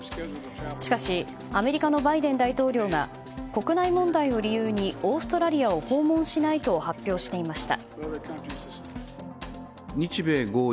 しかしアメリカのバイデン大統領が国内問題を理由にオーストラリアを訪問しないと発表していました。